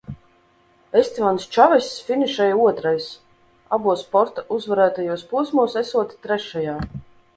"Estevans Čavess finišēja otrais, abos Porta uzvarētajos posmos esot trešajā."